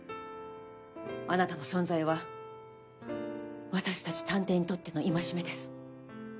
あなたの存在は私たち探偵にとっての戒めです。